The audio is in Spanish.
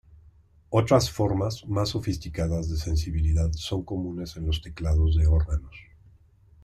Otras formas más sofisticadas de sensibilidad son comunes en los teclados de órganos.